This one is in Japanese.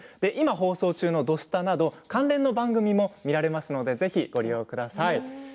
放送中の「土スタ」など関連の番組も見ることができますのでご利用ください。